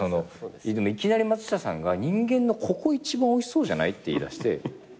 でもいきなり松下さんが「人間のここ一番おいしそうじゃない？」って言いだして。